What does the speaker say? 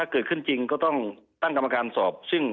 เกิดขึ้นจริงก็ต้องตั้งกรรมการสอบซึ่ง